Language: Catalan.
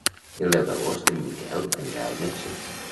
El deu d'agost en Miquel anirà al metge.